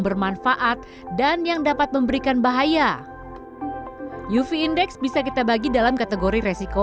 bermanfaat dan yang dapat memberikan bahaya uv index bisa kita bagi dalam kategori resiko